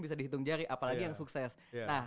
bisa dihitung jari apalagi yang sukses nah